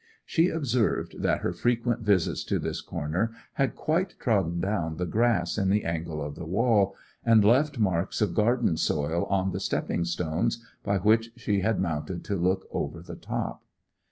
She observed that her frequent visits to this corner had quite trodden down the grass in the angle of the wall, and left marks of garden soil on the stepping stones by which she had mounted to look over the top.